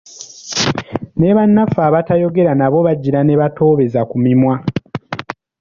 Ne bannaffe abatayogera nabo bagira ne batoobeza ku mimwa.